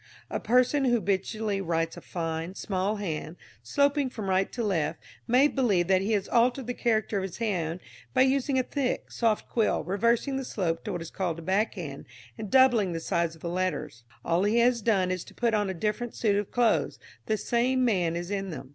A person who habitually writes a fine, small hand, sloping from right to left, may believe that he has altered the character of his hand by using a thick, soft quill, reversing the slope to what is called a backhand, and doubling the size of the letters. All he has done is to put on a different suit of clothes; the same man is in them.